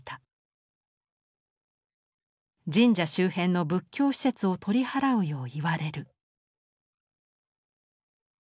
「神社周辺の仏教施設を取り払うよう言われる」。